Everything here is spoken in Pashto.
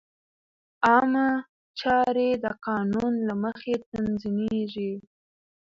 عامه چارې د قانون له مخې تنظیمېږي.